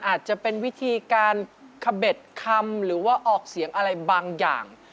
อาจจะเป็นวิธีการขเบ็ดคำหรือว่าออกเสียงอะไรบางอย่าง